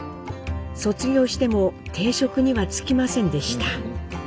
卒業しても定職には就きませんでした。